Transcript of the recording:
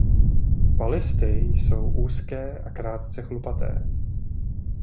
Palisty jsou úzké a krátce chlupaté.